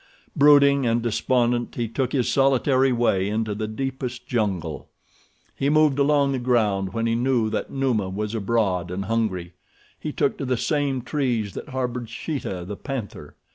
Brooding and despondent he took his solitary way into the deepest jungle. He moved along the ground when he knew that Numa was abroad and hungry. He took to the same trees that harbored Sheeta, the panther.